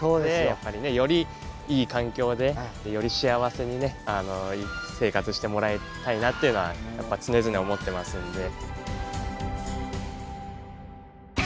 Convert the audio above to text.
やっぱねよりいい環境でより幸せに生活してもらいたいなっていうのはやっぱ常々思ってますんで。